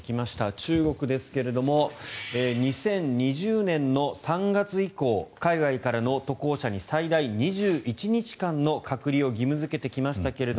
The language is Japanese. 中国ですが２０２０年３月以降海外からの渡航者に最大２１日間の隔離を義務付けてきましたけれど